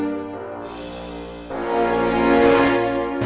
you'll never be només mano yang menang